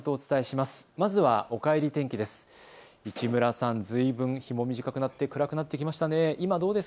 まずはおかえり天気です。